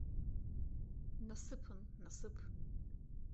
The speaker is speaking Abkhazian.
Насыԥын, насыԥ!